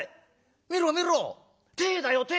見ろ見ろ鯛だよ鯛。